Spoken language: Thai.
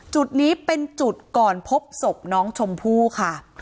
จุดนี้เป็นจุดก่อนพบศพน้องชมพู่ค่ะ